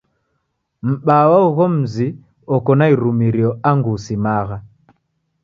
M'baa wa ugho mzi oko na irumirio angu usimagha.